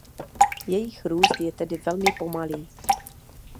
Jejich růst je tedy velmi pomalý.